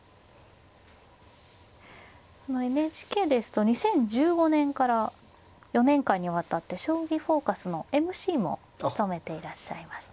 このＮＨＫですと２０１５年から４年間にわたって「将棋フォーカス」のＭＣも務めていらっしゃいましたので。